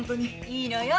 いいのよ。